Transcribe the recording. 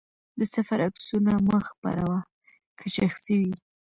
د سفر عکسونه مه خپره وه، که شخصي وي.